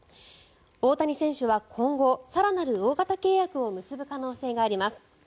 大谷選手は今後更なる大型契約を結ぶ可能性があります。